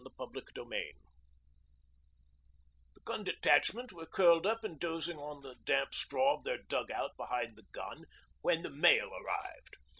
THE SIGNALLER'S DAY The gun detachment were curled up and dozing on the damp straw of their dug out behind the gun when the mail arrived.